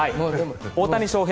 大谷翔平